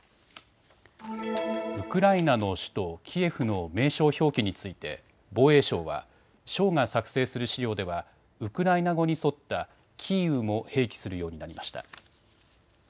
ウクライナの首都キエフの名称表記について防衛省は省が作成する資料ではウクライナ語に沿ったキーウも併記するようになりました。